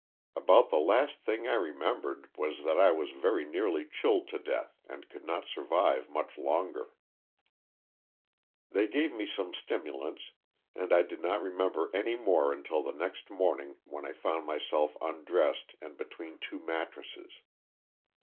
About the last thing 1 remembered was that 1 was vdry nearly chilled to death and could not survive much longer. 148 l^OSS OF THE SULTANA. They gave me some stimulants, and 1 did not remember any more until the next morning when I found myself undressed and between two mattresses.